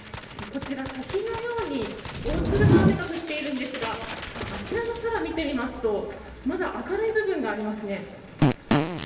こちら、滝のように大粒の雨が降っているんですがあちらの空を見てみますとまだ明るい部分がありますね。